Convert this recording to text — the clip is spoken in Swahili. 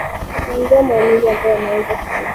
kuangazia maamuzi ambayo yanaweza kutolewa